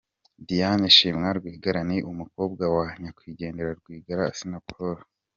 Diane Shima Rwigara ni umukobwa wa nyakwigendera Rwigara Assinapol.